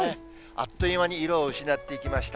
あっという間に色を失っていきました。